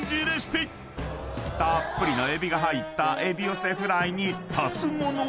［たっぷりのエビが入ったエビ寄せフライに足す物は？］